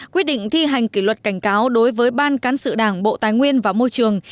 quyết định thi hành kỷ luật cảnh cáo đối với ban cán sự đảng bộ tài nguyên và môi trường